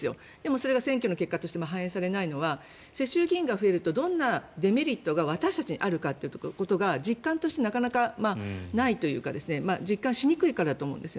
それが選挙の結果として反映されないのは世襲議員が増えるとどんなデメリットが私たちにあるかということが実感としてなかなかないというか実感しにくいからだと思うんです。